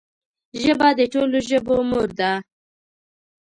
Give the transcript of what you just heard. ژبه د ټولو ژبو مور ده